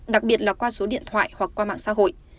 đặc biệt là qua số điện thoại hoặc qua mạng xã hội